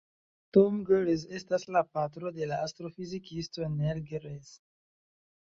Tom Gehrels estas la patro de la astrofizikisto Neil Gehrels.